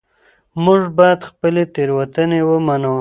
موږ باید خپلې تېروتنې ومنو